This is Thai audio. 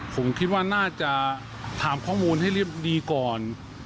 ผมคิดว่าน่าจะถามข้อมูลให้เรียบดีก่อน